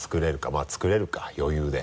まぁつくれるか余裕で。